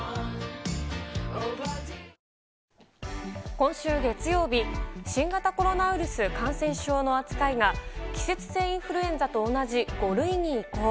今週月曜日、新型コロナウイルス感染症の扱いが、季節性インフルエンザと同じ５類に移行。